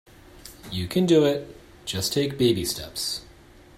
You can do it. Just take baby steps.